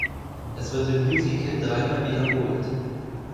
Es wird im Musical dreimal wiederholt.